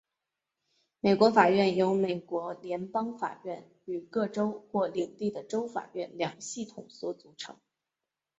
美国法院由美国联邦法院与各州或领地的州法院两系统所组成。